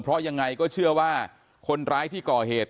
เพราะยังไงก็เชื่อว่าคนร้ายที่ก่อเหตุ